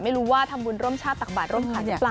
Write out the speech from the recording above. ไม่รู้ว่าธรรมบุญร่มชาติตักบาทร่มขัดตรงปลา